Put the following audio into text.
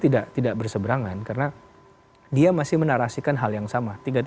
tidak ada yang tidak berseberangan karena dia masih menarasikan hal yang sama